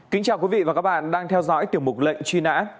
kính chào quý vị và các bạn đang theo dõi tiểu mục lệnh truy nã